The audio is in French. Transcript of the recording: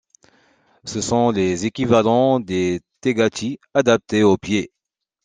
Ce sont les équivalents des tegaki, adaptés aux pieds.